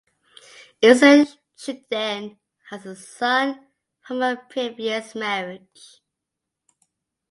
Ilse Schouteden has a son from her previous marriage.